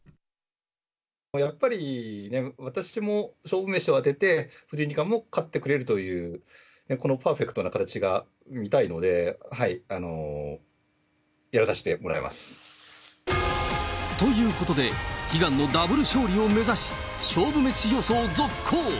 やっぱり私も勝負メシを当てて、藤井二冠も勝ってくれるという、このパーフェクトな形が見たいので、ということで、悲願のダブル勝利を目指し、勝負メシ予想続行。